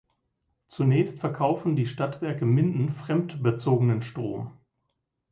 Zunächst verkaufen die Stadtwerke Minden fremd bezogenen Strom.